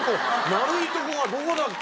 丸いとこがどこだっけ？